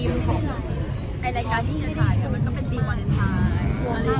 ปีของใดใกล้กันอย่างน้อยมันก็เป็นตั้งใจมาแล้ว